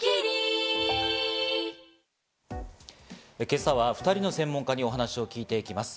今朝は２人の専門家にお話を聞いていきます。